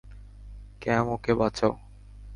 ক্যাম, ওকে বাঁচাও!